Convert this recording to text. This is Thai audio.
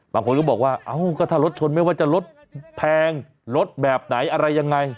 บางคนก็บอกว่าเอ้าก็ถ้ารถชนไม่ว่าจะรถแพงรถแบบไหนอะไรยังไง